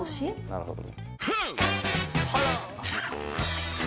なるほど。